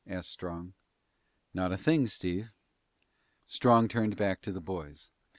asked Strong. "Not a thing, Steve." Strong turned back to the boys.